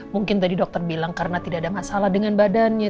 mungkin tadi dokter bilang karena tidak ada masalah dengan badannya